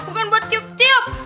bukan buat tiup tiup